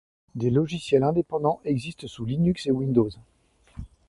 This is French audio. Des logiciels indépendants existent sous Linux et Windows.